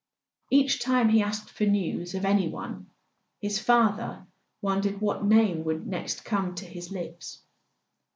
Each time he asked for news of any one his father wondered what name would next come to his lips.